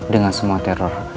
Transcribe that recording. dengan semua teror